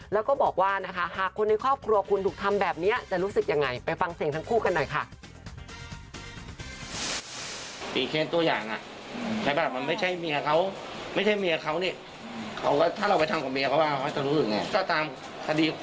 แล้วก็บอกว่านะคะหากคนในครอบครัวคุณถูกทำแบบนี้จะรู้สึกอย่างไร